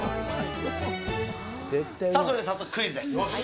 さあ、それでは早速クイズです。